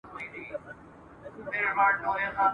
معلومیږي د بخت ستوری دي ختلی ..